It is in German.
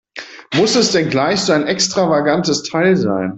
Muss es denn gleich so ein extravagantes Teil sein?